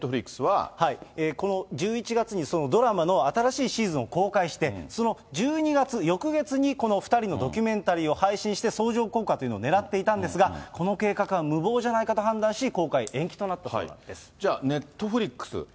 この１１月に、そのドラマの新しいシーズンを公開して、その１２月、翌月にこの２人のドキュメンタリーを配信して、相乗効果というのをねらっていたんですが、この計画は無謀じゃないかと判断し、公開延期となったそうなんでじゃあ、ネットフリックス。